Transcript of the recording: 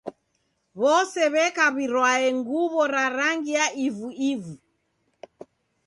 W'ose w'eka w'irwae nguw'o ra rangi ya ivu-ivu.